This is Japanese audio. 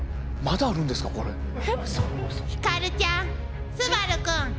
ひかるちゃん昴君。